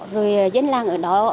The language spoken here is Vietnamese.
rồi dân làng ở đó